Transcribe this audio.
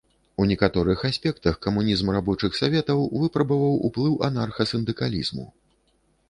У некаторых аспектах камунізм рабочых саветаў выпрабаваў ўплыў анарха-сындыкалізму.